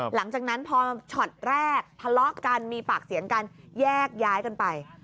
หลังจากนั้นพอช็อตแรกทะเลาะกันมีปากเสียงกันแยกย้ายกันไป